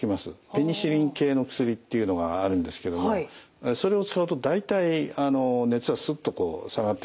ペニシリン系の薬っていうのがあるんですけれどもそれを使うと大体熱はスッとこう下がってきます。